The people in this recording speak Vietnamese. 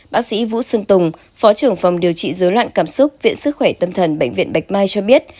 bác sĩ vũ xuân tùng phó trưởng phòng điều trị dối loạn cảm xúc viện sức khỏe tâm thần bệnh viện bạch mai cho biết